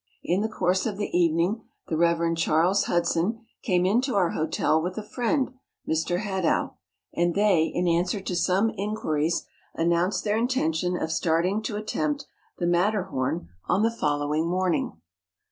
In the course of the evening the Rev. Charles Hudson came into our hotel with a friend, Mr. Hadow; and they, in answer to some inquiries, announced their intention of start¬ ing to attempt the Matterhorn on the following morning.